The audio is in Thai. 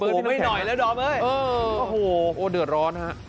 โอ้โหไม่หน่อยแล้วดอมเอ้ยโอ้โหเดือดร้อนครับ